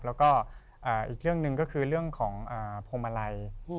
แล้วก็อีกเรื่องหนึ่งก็คือเรื่องของพวงมาลัย